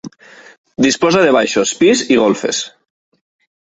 Disposa de baixos, pis i golfes.